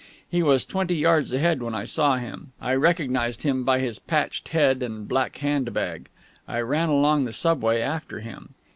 He was twenty yards ahead when I saw him. I recognised him by his patched head and black hand bag. I ran along the subway after him.